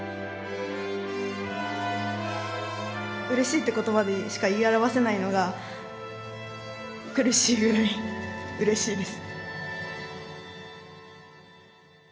「うれしい」って言葉でしか言い表せないのが苦しいぐらいうれしいです。